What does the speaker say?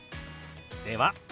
では。